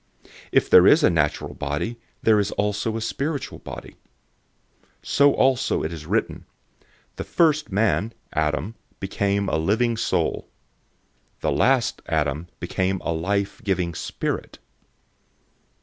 There is a natural body and there is also a spiritual body. 015:045 So also it is written, "The first man, Adam, became a living soul."{Genesis 2:7} The last Adam became a life giving spirit.